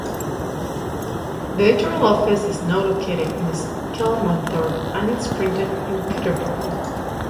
The editorial office is now located in Skelmanthorpe and is printed in Peterborough.